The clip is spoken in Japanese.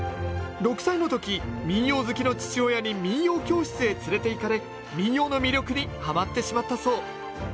６歳の時民謡好きの父親に民謡教室へ連れて行かれ民謡の魅力にはまってしまったそう。